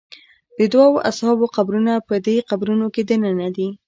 د دوو اصحابو قبرونه په دې قبرونو کې دننه دي.